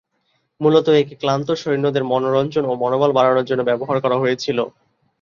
মূলত, একে ক্লান্ত সৈন্যদের মনোরঞ্জন ও মনোবল বাড়ানোর জন্য ব্যবহার করা হয়েছিল।